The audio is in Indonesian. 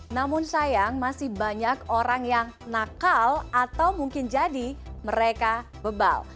namun sayang masih banyak orang yang nakal atau mungkin jadi mereka bebal